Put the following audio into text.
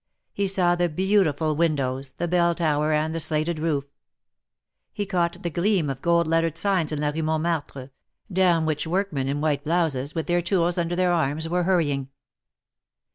He saw the beautiful win dows, the bell tower and the slated roof. He caught the gleam of gold lettered signs in la Hue Montmartre, down which workmen in white blouses, with their tools under their arms, were hurrying.